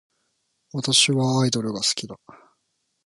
私はアイドルが好きだ